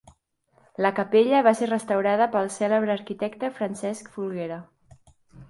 La capella va ser restaurada pel cèlebre arquitecte Francesc Folguera.